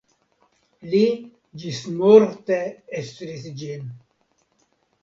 Li ĝismorte estris ĝin.